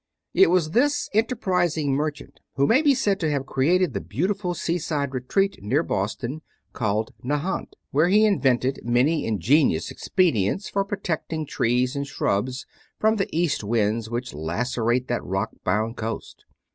It was this enterprising merchant who may be said to have created the beautiful seaside retreat near Boston called Nahant, where he invented many ingenious expedients for protecting trees and shrubs from the east winds which lacerate that rock bound coast.